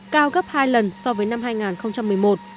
cao gấp hai lần so với năm hai nghìn một mươi một